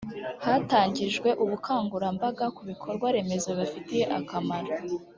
hatangijwe ubukangurambaga ku bikorwa remezo bibafitiye akamaro